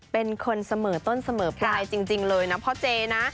เป็นคนเสมอต้นเสมอปลายจริงเลยนะพ่อเจนะ